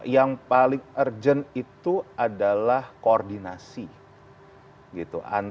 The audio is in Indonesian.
yang paling urgent itu adalah koordinasi